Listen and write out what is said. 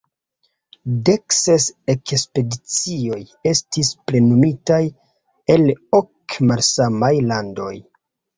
Dekses ekspedicioj estis plenumitaj el ok malsamaj landoj.